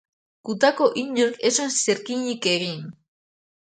Gutako inork ez zuen zirkinik egin.